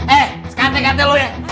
eh sekanteng kanteng lo ya